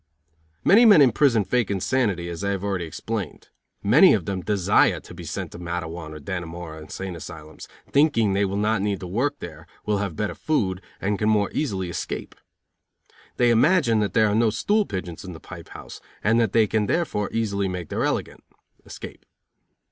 Many men in prison fake insanity, as I have already explained. Many of them desire to be sent to Matteawan or Dannemora insane asylums, thinking they will not need to work there, will have better food and can more easily escape. They imagine that there are no stool pigeons in the pipe house, and that they can therefore easily make their elegant (escape).